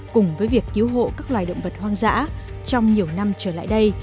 cùng với việc cứu hộ các loài động vật hoang dã trong nhiều năm trở lại đây